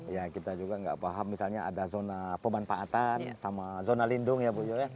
ya kita juga nggak paham misalnya ada zona pemanfaatan sama zona lindung ya bu ya